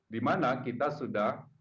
di mana kita sudah